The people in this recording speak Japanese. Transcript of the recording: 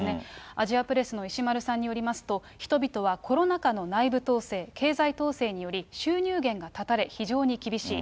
アジアプレスの石丸さんによりますと、人々はコロナ禍の内部統制、経済統制により収入源が絶たれ、非常に厳しい。